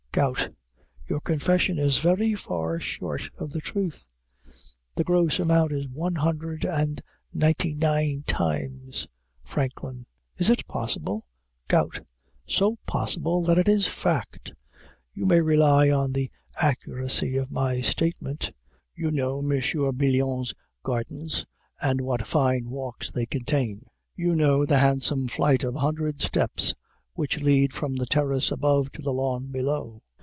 GOUT. Your confession is very far short of the truth; the gross amount is one hundred and ninety nine times. FRANKLIN. Is it possible? GOUT. So possible, that it is fact; you may rely on the accuracy of my statement. You know M. Brillon's gardens, and what fine walks they contain; you know the handsome flight of an hundred steps, which lead from the terrace above to the lawn below.